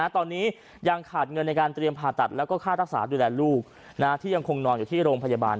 ตอนนี้ยังขาดเงินในการเตรียมผ่าตัดแล้วก็ค่ารักษาดูแลลูกที่ยังคงนอนอยู่ที่โรงพยาบาล